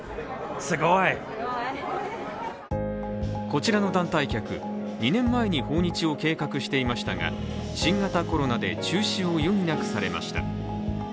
こちらの団体客２年前に訪日を計画していましたが新型コロナで中止を余儀なくされました。